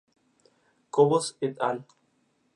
Cobos "et al.